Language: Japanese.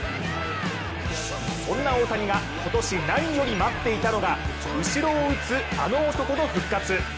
そんな大谷が今年何より待っていたのが後ろを打つ、あの男の復活。